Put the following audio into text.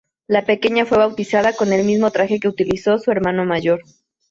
La pequeña fue bautizada con el mismo traje que utilizó su hermano mayor.